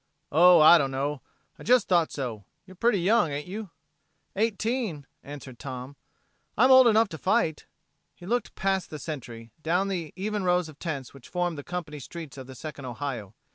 "Oh, I dunno. I just thought so. You're pretty young, ain't you?" "Eighteen," answered Tom. "I'm old enough to fight." He looked past the Sentry, down at the even rows of tents which formed the company streets of the Second Ohio.